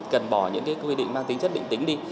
cần bỏ những cái quy định mang tính chất định tính đi